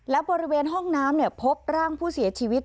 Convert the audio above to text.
และบริเวณห้องน้ำพบร่างผู้เสียชีวิต